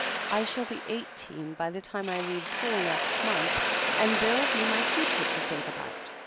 "I shall be eighteen by the time I leave school next month, and there'll be my future to think about.